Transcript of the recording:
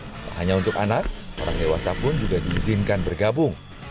tidak hanya untuk anak orang dewasa pun juga diizinkan bergabung